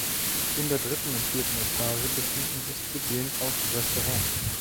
In der dritten und vierten Etage befinden sich zudem auch Restaurants.